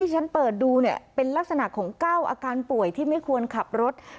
ฉันเปิดดูเนี่ยเป็นลักษณะของ๙อาการป่วยที่ไม่ควรขับรถ